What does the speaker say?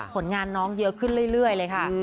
ผลงานน้องเยอะขึ้นเรื่อยเลยค่ะ